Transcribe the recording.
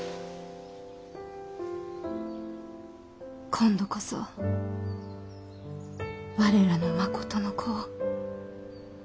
今度こそ我らのまことの子を！